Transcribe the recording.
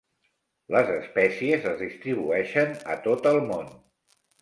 Les espècies es distribueixen a tot el món.